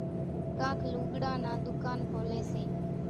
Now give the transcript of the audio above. ڪانڪ لُوڳڙان نان ڌُڪانَ کوليَ سي۔